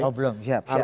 oh belum siap